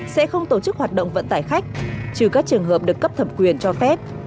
sẽ không tổ chức hoạt động vận tải khách trừ các trường hợp được cấp thẩm quyền cho phép